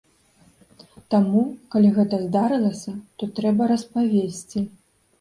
Таму, калі гэта здарылася, то трэба распавесці.